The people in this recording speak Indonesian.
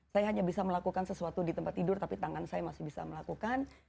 saya hanya bisa melakukan sesuatu di tempat tidur tapi tangan saya masih bisa melakukan